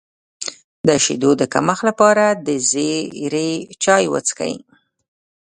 د شیدو د کمښت لپاره د زیرې چای وڅښئ